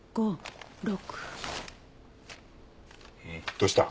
どうした？